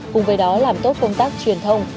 cùng với đó làm tốt công tác truyền thông